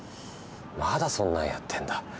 まだそんなんやってんだ。